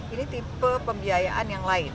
ini tipe pembiayaan yang lain